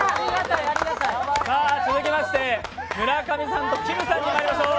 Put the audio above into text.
続きまして村上さんときむさんとまいりましょう。